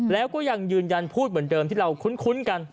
แล้วก็ยังยืนยันพูดเหมือนเดิมที่เราคุ้นกัน